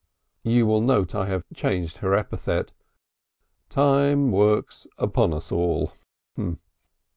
(You will note I have changed her epithet. Time works upon us all.)